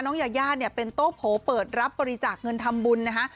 น้องยาย่าเป็นโต๊ะโผล่เปิดรับบริจาคเงินทำบุญนะคะ